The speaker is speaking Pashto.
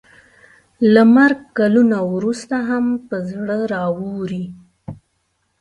له مرګ کلونه وروسته هم په زړه راووري.